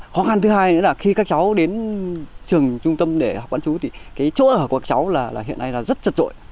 khó khăn thứ hai nữa là khi các cháu đến trường trung tâm để học bán chú thì cái chỗ ở của các cháu là hiện nay là rất chật rội